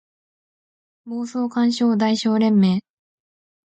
妄想感傷代償連盟